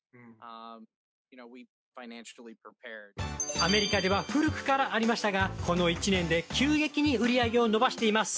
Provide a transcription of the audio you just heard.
アメリカでは古くからありましたがこの１年で急激に売り上げを伸ばしています。